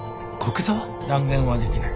断言はできない。